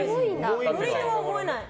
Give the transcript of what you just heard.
のりとは思えない。